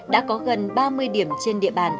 đã có gần ba mươi điểm trên địa bàn